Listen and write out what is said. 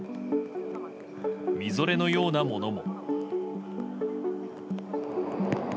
みぞれのようなものも。